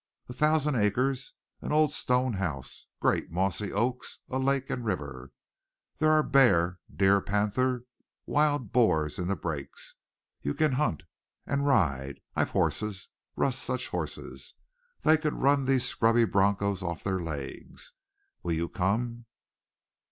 A thousand acres. An old stone house. Great mossy oaks. A lake and river. There are bear, deer, panther, wild boars in the breaks. You can hunt. And ride! I've horses, Russ, such horses! They could run these scrubby broncos off their legs. Will you come?"